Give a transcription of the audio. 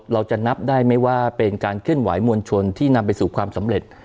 เราจะนับได้ไหมว่าเป็นการเคลื่อนไหวมวลชนที่นำไปสู่ความสำเร็จ